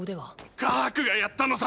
カハクがやったのさ！